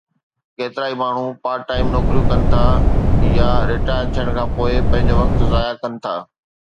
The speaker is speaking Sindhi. ڪيترائي ماڻهو پارٽ ٽائيم نوڪريون ڪن ٿا يا رٽائر ٿيڻ کان پوءِ پنهنجو وقت ضايع ڪن ٿا